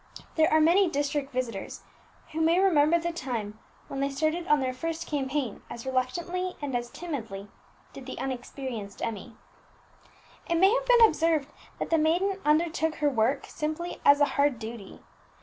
There are many district visitors who may remember the time when they started on their first campaign as reluctantly and as timidly as did the inexperienced Emmie. It may have been observed that the maiden undertook her work simply as a hard duty.